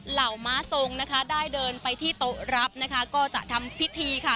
เหล่าม้าทรงนะคะได้เดินไปที่โต๊ะรับนะคะก็จะทำพิธีค่ะ